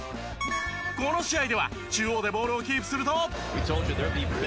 この試合では中央でボールをキープすると。